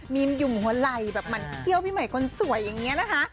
มีมหยุ่มหัวไหล่แบบหมั่นเขี้ยวพี่ใหม่คนสวยอย่างนี้นะคะ